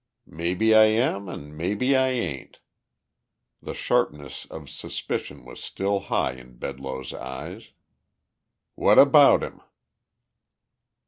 "Maybe I am an' maybe I ain't." The sharpness of suspicion was still high in Bedloe's eyes. "What about him?"